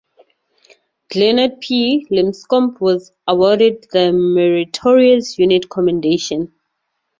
"Glenard P. Lipscomb" was awarded the Meritorious Unit Commendation.